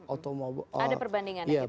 ada perbandingan ya kita lihat